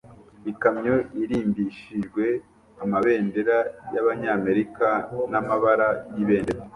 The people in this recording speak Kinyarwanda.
Ikamyo irimbishijwe amabendera y'Abanyamerika n'amabara y'ibendera